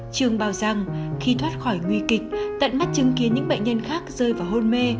trường bảo rằng khi thoát khỏi nguy kịch tận mắt chứng kiến những bệnh nhân khác rơi vào hôn mê